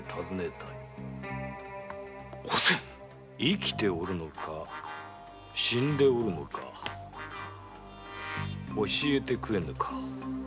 おせん生きておるのか死んでおるのか教えてくれぬか。